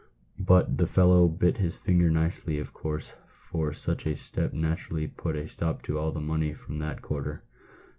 " But the fellow bit his fingers nicely, of course ; for such a step naturally put a stop to all money from that quarter."